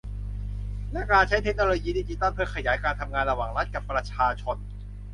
และใช้เทคโนโลยีดิจิทัลเพื่อขยายการทำงานระหว่างรัฐกับประชาชน